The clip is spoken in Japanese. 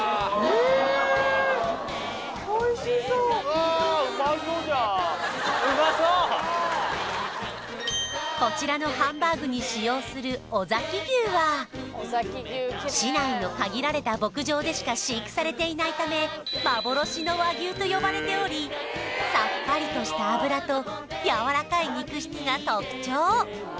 おいしそうこちらのハンバーグに使用する尾崎牛は市内の限られた牧場でしか飼育されていないためと呼ばれておりさっぱりとした脂とやわらかい肉質が特徴